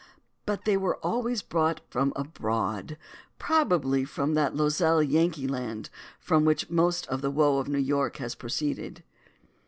But they were always brought from abroad, probably from that losel Yankee land from which most of the woe of New York has proceeded.